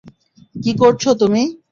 কি করছো তুমি।